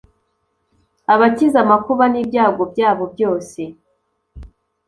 Abakiza amakuba n ibyago byabo byose